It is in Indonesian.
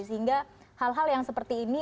sehingga hal hal yang seperti ini